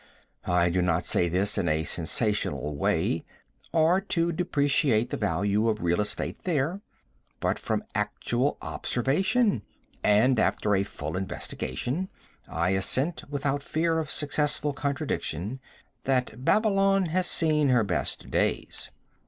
I do not say this in a sensational way or to depreciate the value of real estate there, but from actual observation, and after a full investigation, I assent without fear of successful contradiction, that Babylon has seen her best days.